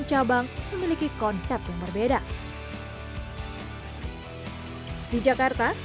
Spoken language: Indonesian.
jadi konsepnya seperti itu